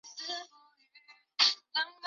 曾祖父章希明。